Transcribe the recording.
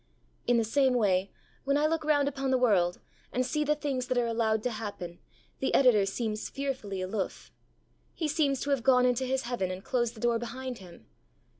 In the same way, when I look round upon the world, and see the things that are allowed to happen, the Editor seems fearfully aloof. He seems to have gone into His heaven and closed the door behind Him.